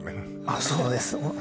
あっそうです